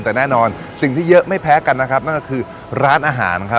แต่แน่นอนสิ่งที่เยอะไม่แพ้กันนะครับนั่นก็คือร้านอาหารครับ